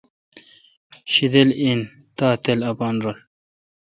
شدل این تاؘ تل اپان رل